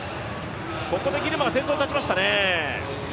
ここでギルマが先頭に立ちましたね。